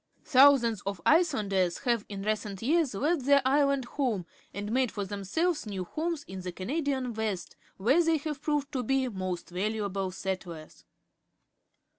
Thou sands of Icelanders have, in recent years, left their island home and made for themselves THE NETHERLANDS 179 new homes in the Canadian West , where they have proved to be most valuable settlers.